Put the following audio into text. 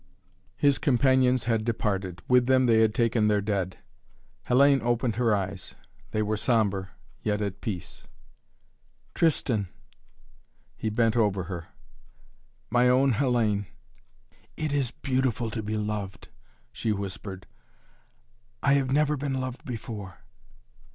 His companions had departed. With them they had taken their dead. Hellayne opened her eyes. They were sombre, yet at peace. "Tristan!" He bent over her. "My own Hellayne!" "It is beautiful to be loved," she whispered. "I have never been loved before."